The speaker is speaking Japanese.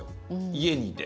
家にいて。